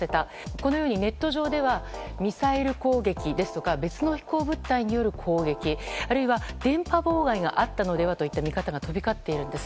このようにネット上ではミサイル攻撃ですとか別の飛行物体による攻撃あるいは電波妨害があったのではという見方が飛び交っているんです。